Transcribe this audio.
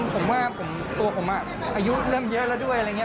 ผมว่าตัวผมอายุเริ่มเยอะแล้วด้วยอะไรอย่างนี้